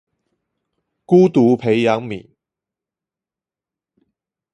孤獨培養皿